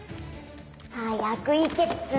早く行けっつの。